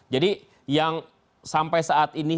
jadi yang sampai saat ini